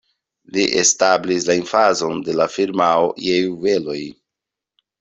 Li establis la emfazon de la firmao je juveloj.